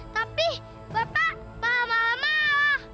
tapi bapak marah marah